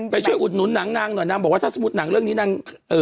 ไปช่วยอุดนุนนางบอกว่าถ้าสมมุติวันต่อไปนาง